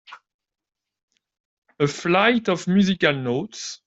A flight of musical notes